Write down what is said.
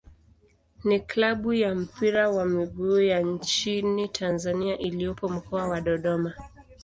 ni klabu ya mpira wa miguu ya nchini Tanzania iliyopo Mkoa wa Dodoma.